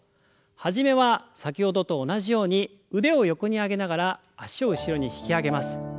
始めは先ほどと同じように腕を横に上げながら脚を後ろに引き上げます。